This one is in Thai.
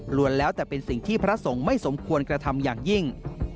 รวมแล้วแต่เป็นสิ่งที่พระสงฆ์ไม่สมควรกระทำอย่างยิ่ง